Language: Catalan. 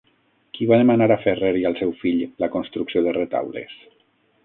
Qui va demanar a Ferrer i al seu fill la construcció de retaules?